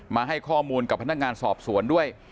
มาให้ข้อมูลกับพนักงานสอบสวนด้วย